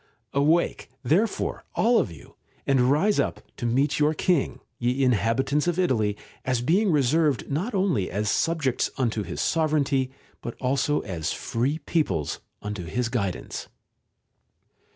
Awake, therefore, all of you, and rise up to meet your King, ye inhabitants of Italy, as being reserved not only as subjects unto his sovereignty, but also as free peoples unto his guidance.